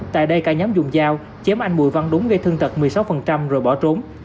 tại đây cả nhóm dùng dao chém anh bùi văn đúng gây thương tật một mươi sáu rồi bỏ trốn